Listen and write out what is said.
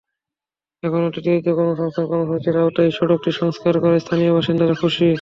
এখন অতিদরিদ্র কর্মসংস্থান কর্মসূচির আওতায় সড়কটি সংস্কার করায় স্থানীয় বাসিন্দারা খুশি।